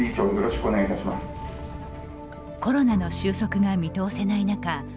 コロナの終息が見通せない中